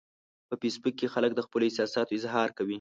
په فېسبوک کې خلک د خپلو احساساتو اظهار کوي